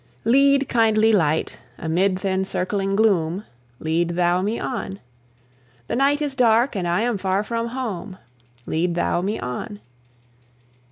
Lead, kindly Light, amid th' encircling gloom, Lead Thou me on, The night is dark, and I am far from home, Lead Thou me on.